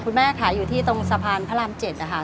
แม่ขายอยู่ที่ตรงสะพานพระราม๗นะคะ